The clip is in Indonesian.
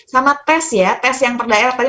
sama tes ya tes yang terdaerah tadi